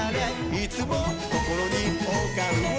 「いつもこころにおうかんを」